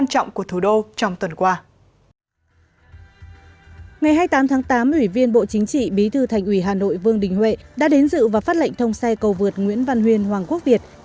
hiện bộ chính trị bí thư thành ủy hà nội vương đình huệ đã đến dự và phát lệnh thông xe cầu vượt nguyễn văn huyền hoàng quốc việt